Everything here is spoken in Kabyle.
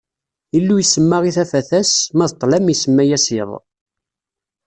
Illu isemma i tafat ass, ma d ṭṭlam isemma-as iḍ.